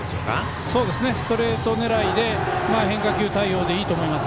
ストレート狙いで変化球対応でいいと思います。